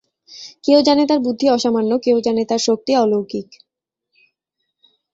কেউ জানে তার বুদ্ধি অসামান্য, কেউ জানে তার শক্তি অলৌকিক।